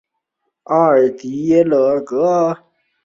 阿尔迪耶格。